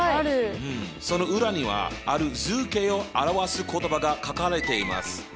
その裏にはある図形を表す言葉が書かれています。